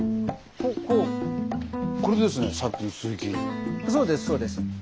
そうですそうです。